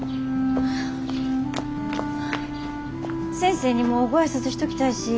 先生にもご挨拶しときたいし。